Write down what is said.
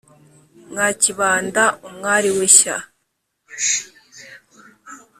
mwa kibanda umwari w'ishya